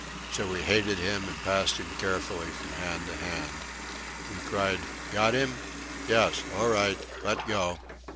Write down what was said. So we hated him and passed him carefully from hand to hand. We cried, "Got him?" "Yes. All right. Let go."